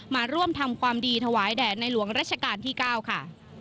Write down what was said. มาร่วมทำความดีถวายแด่ในหลวงรัชกาลที่๙ค่ะ